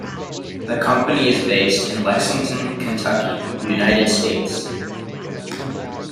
The company is based in Lexington, Kentucky, United States.